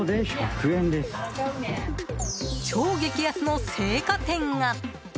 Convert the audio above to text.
超激安の青果店が。